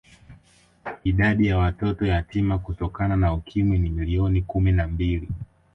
Idadi ya watoto yatima Kutokana na Ukimwi ni milioni kumi na mbili